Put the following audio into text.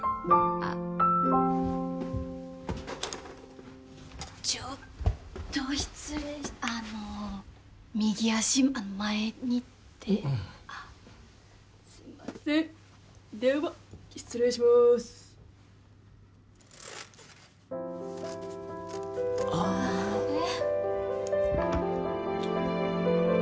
あっちょっと失礼してあの右足前にってうんすみませんでは失礼しますあえっ？